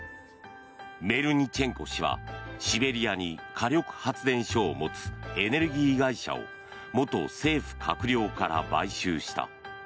メルニチェンコ氏はシベリアに火力発電所を持つエネルギー会社を元政府閣僚から買収した。